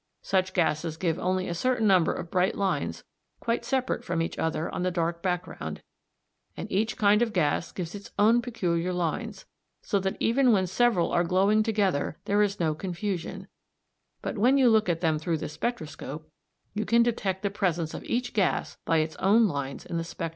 Such gases give only a certain number of bright lines quite separate from each other on the dark background, and each kind of gas gives its own peculiar lines; so that even when several are glowing together there is no confusion, but when you look at them through the spectroscope you can detect the presence of each gas by its own lines in the spectrum.